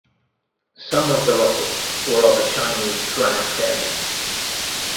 Some of the rockets were of a Chinese Grad variant.